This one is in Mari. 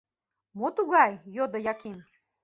— Мо тугай? — йодо Яким.